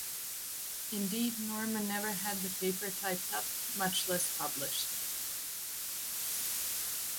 Indeed, Norman never had the paper typed up, much less published.